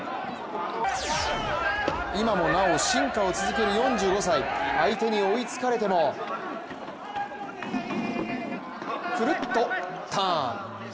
今もなお進化を続ける４５歳、相手に追いつかれてもくるっとターン。